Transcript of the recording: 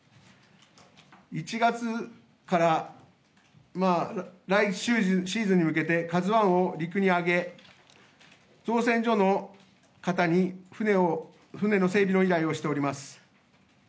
１月から来シーズンに向けてカズワンを陸に上げ、造船所の方に、船の整備の依頼をしております。